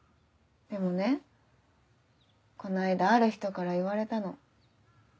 でもねこの間ある人から言われたの。